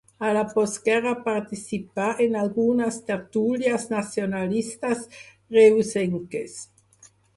A la postguerra participà en algunes tertúlies nacionalistes reusenques.